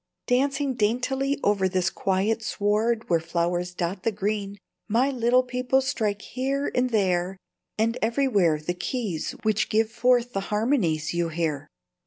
Dancing daintily over this quiet sward where flowers dot the green, my little people strike here and there and everywhere the keys which give forth the harmonies you hear."